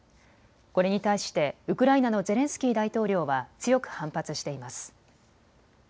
これに対してウクライナのゼレンスキー大統領は強く反発しています。